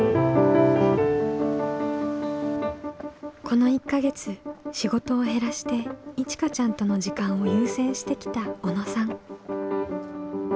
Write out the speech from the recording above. この１か月仕事を減らしていちかちゃんとの時間を優先してきた小野さん。